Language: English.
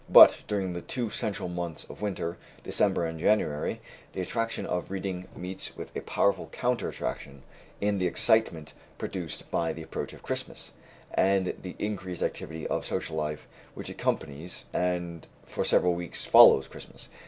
But during the two central months of winter, December and January, the attraction of reading meets with a powerful counter attraction in the excitement produced by the approach of Christmas, and the increased activity of social life which accompanies and for several weeks follows Christmas.